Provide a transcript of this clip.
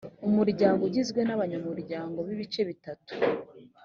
umuryango ugizwe n abanyamuryango b ibice bitatu